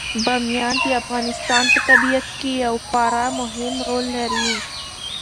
بامیان د افغانستان په طبیعت کې یو خورا مهم رول لري.